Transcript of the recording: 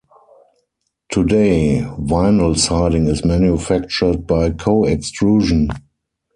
Today, vinyl siding is manufactured by co-extrusion.